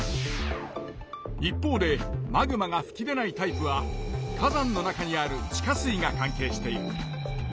一方でマグマが噴き出ないタイプは火山の中にある地下水が関係している。